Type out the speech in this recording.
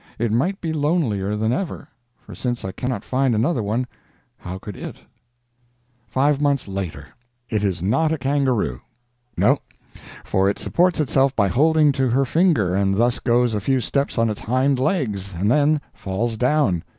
It might be lonelier than ever; for since I cannot find another one, how could_ it_? FIVE MONTHS LATER. It is not a kangaroo. No, for it supports itself by holding to her finger, and thus goes a few steps on its hind legs, and then falls down.